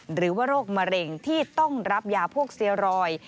หรือว่าโรคมะเร็งที่ต้องรับยาพวกเซียรอย